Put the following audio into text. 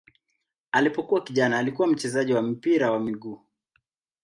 Alipokuwa kijana alikuwa mchezaji wa mpira wa miguu.